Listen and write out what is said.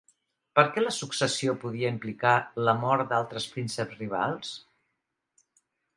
Per què la successió podia implicar la mort d'altres prínceps rivals?